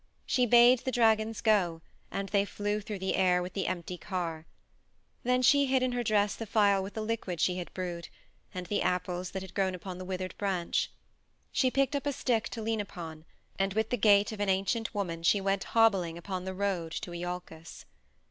She bade the dragons go, and they flew through the air with the empty car. Then she hid in her dress the phial with the liquid she had brewed and, the apples that had grown upon the withered branch. She picked up a stick to lean upon, and with the gait of an ancient woman she went hobbling upon the road to Iolcus.